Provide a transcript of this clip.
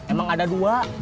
emang ada dua